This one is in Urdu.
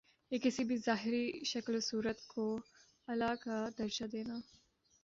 کہ کسی بھی ظاہری شکل و صورت کو الہٰ کا درجہ دینا